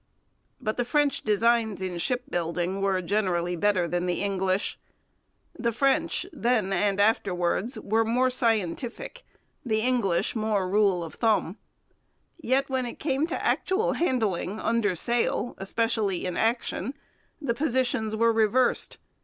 But the French designs in shipbuilding were generally better than the English. The French, then and afterwards, were more scientific, the English more rule of thumb. Yet when it came to actual handling under sail, especially in action, the positions were reversed.